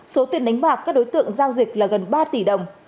số tiền đánh bạc các đối tượng giao dịch là gần ba tỷ đồng